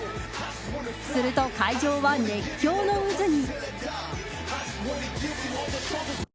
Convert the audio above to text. すると会場は熱狂の渦に。